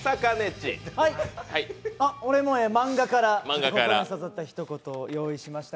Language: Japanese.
俺も漫画から心に刺さった一言を用意しました。